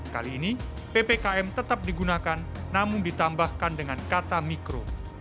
kali ini ppkm tetap digunakan namun ditambahkan dengan kata mikro